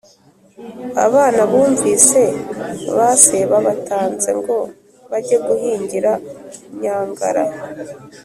abana bumvise ba se babatanze ngo bajye guhingira nyangara,